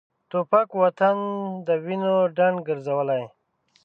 توپک وطن د وینو ډنډ ګرځولی.